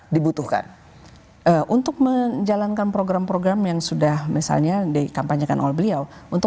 dibutuhkan untuk menjalankan program program yang sudah misalnya dikampanyekan oleh beliau untuk